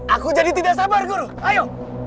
aku jadi tidak sabar guru ayo